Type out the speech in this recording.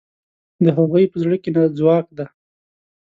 د هغوی په زړه کې ځواک دی.